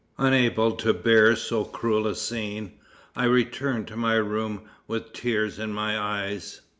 Unable to bear so cruel a scene, I returned to my room with tears in my eyes.